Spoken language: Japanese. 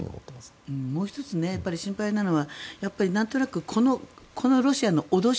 もう１つ心配なのはなんとなくこのロシアの脅し